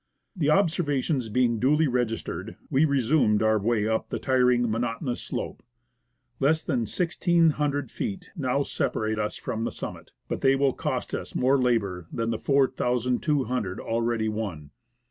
The observations being duly registered, we resume our way up the tiring, monotonous slope. Less than 1,600 feet now separate us from the summit, but they will cost us more labour than the 4,200 already won.